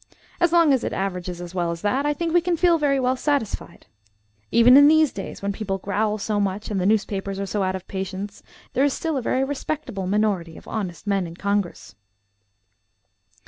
As long as it averages as well as that, I think we can feel very well satisfied. Even in these days, when people growl so much and the newspapers are so out of patience, there is still a very respectable minority of honest men in Congress."